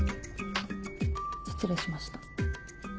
失礼しました。